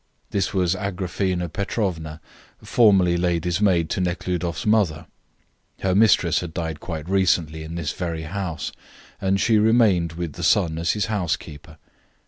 This was Agraphena Petrovna, formerly lady's maid to Nekhludoff's mother. Her mistress had died quite recently in this very house, and she remained with the son as his housekeeper.